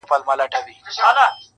نه اثر وکړ دوا نه تعویذونو.!